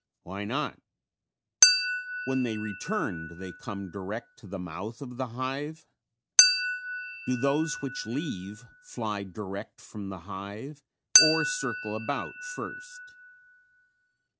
Why not? When they return do they come direct to the mouth of the hive? Do those which leave fly direct from the hive or circle about first?